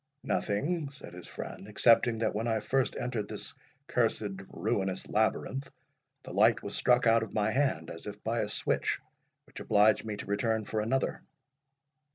"Nothing," said his friend, "excepting that when I first entered this cursed ruinous labyrinth, the light was struck out of my hand, as if by a switch, which obliged me to return for another."